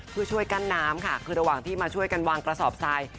เพื่อช่วยกั้นน้ำค่ะคือระหว่างที่มาช่วยกันวางกระสอบทราย